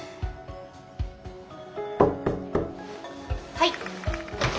・はい。